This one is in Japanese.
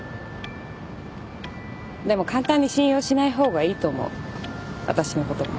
でも簡単に信用しない方がいいと思う私のことも。